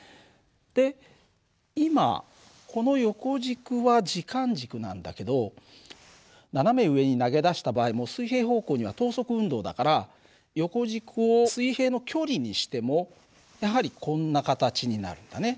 で今この横軸は時間軸なんだけど斜め上に投げ出した場合も水平方向には等速運動だから横軸を水平の距離にしてもやはりこんな形になるんだね。